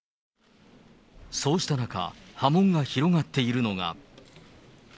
そうした中、波紋が広がっているのが。